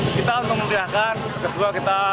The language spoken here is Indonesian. kita untuk mempiahkan kedua kita